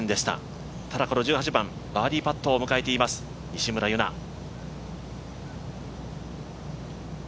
ただこの１８番、バーディーパットを迎えています、西村優菜。